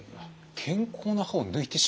健康な歯を抜いてしまう。